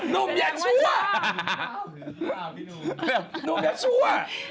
นุ่มอย่าชั่ว